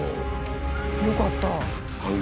よかった。